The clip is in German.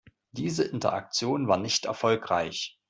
Diese Interaktion war nicht erfolgreich.